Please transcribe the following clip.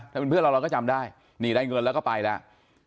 ถ้าเป็นเพื่อนเราเราก็จำได้นี่ได้เงินแล้วก็ไปแล้ว